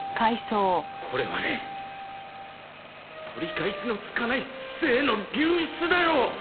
これはね取り返しのつかない知性の流出だよ！